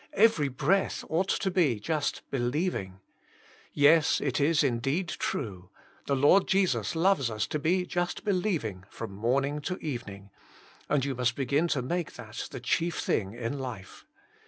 Every breath ought to be just believing. 56 Je»uB Himself, Yes, it is indeed true; the Lord Jesus loves us to be just believing from morn ing to evening, and you must begin to make that the chief thing in life.